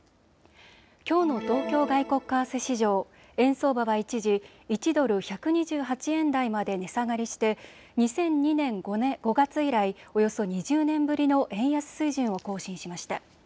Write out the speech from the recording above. きょうの東京外国為替市場、円相場は一時１ドル１２８円台まで値下がりして２００２年５月以来、およそ２０年ぶりの円安水準を更新しました。